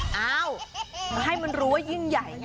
อยากให้มันรู้ว่ายิ่งใหญ่